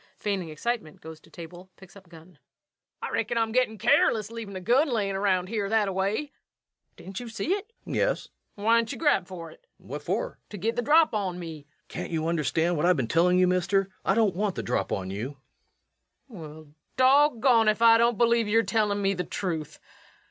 Feigning excitement, goes to table, picks up gun._ LUKE. I reckon I'm gettin' careless, leavin' a gun layin' around here that a way. Didn't you see it? REVENUE. Yes. LUKE. Well, why didn't ye grab it? REVENUE. What for? LUKE. To git the drop on me. REVENUE. Can't you understand what I've been telling you, mister? I don't want the drop on you. LUKE. Well, doggone if I don't believe yer tellin' me the truth.